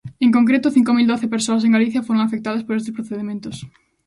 En concreto, cinco mil doce persoas en Galicia foron afectadas por estes procedementos.